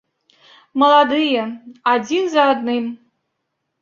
Маладыя, адзін за адным.